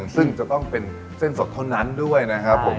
ซึ่งจะต้องเป็นเส้นสดเท่านั้นด้วยนะครับผม